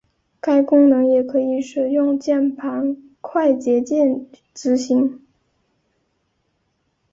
该功能也可以使用键盘快捷键执行。